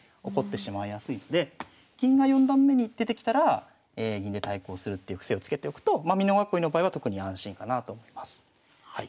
起こってしまいやすいので銀が４段目に出てきたら銀で対抗するっていう癖をつけておくと美濃囲いの場合は特に安心かなあと思います。